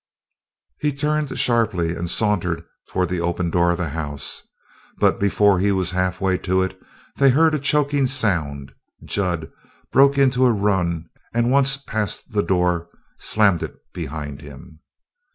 He turned sharply and sauntered toward the open door of the house. But before he was halfway to it they heard a choking sound; Jud broke into a run, and, once past the door, slammed it behind him.